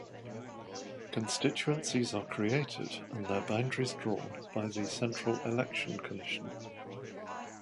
Constituencies are created and their boundaries drawn by the Central Election Commission.